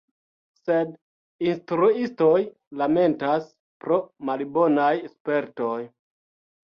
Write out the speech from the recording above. Sed instruistoj lamentas, pro malbonaj spertoj.